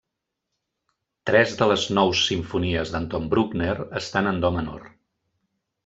Tres de les nous simfonies d'Anton Bruckner estan en do menor.